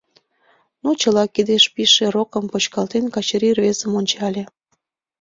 — Ну, чыла! — кидеш пижше рокым почкалтен, Качырий рвезым ончале.